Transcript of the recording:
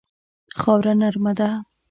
خاوره نرمه ده.